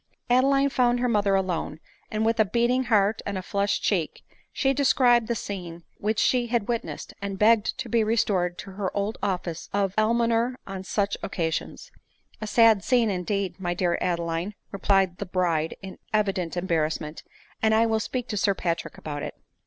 Adeline found her mother alone ; and with a beating heart and a flushed cheek, she described the scepie which she had witnessed, and begged to be restored to her old office of almoner on such occasions. " A sad scene, indeed, my dear Adeline !" replied the bride in evident embarrasment, " and I will speak to Sir Patrick about it."